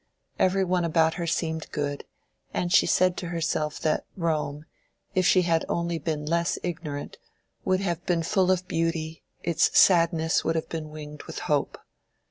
Every one about her seemed good, and she said to herself that Rome, if she had only been less ignorant, would have been full of beauty: its sadness would have been winged with hope.